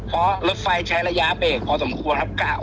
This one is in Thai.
เพราะรถไฟใช้ระยะเบรกพอสมควรครับ